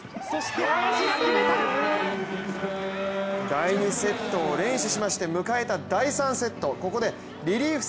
第２セットを連取しまして迎えた第３セット、ここでリリーフ